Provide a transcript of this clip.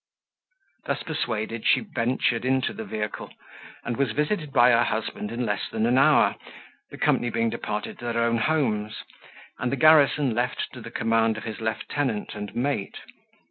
Thus persuaded, she ventured into the vehicle, and was visited by her husband in less than an hour, the company being departed to their own homes, and the garrison left to the command of his lieutenant and mate.